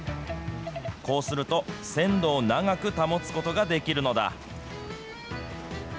こうすると、鮮度を長く保つことができるのだ。